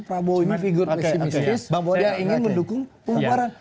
prabowo ini figur pesimistis bahwa dia ingin mendukung pengeluaran